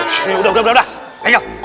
saya masih sedang bernafas